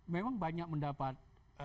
memang banyak mendapat